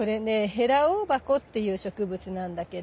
ヘラオオバコっていう植物なんだけど。